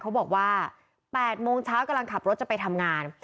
เขาบอกว่า๘โมงเช้ากำลังขับรถจะไปทำงาน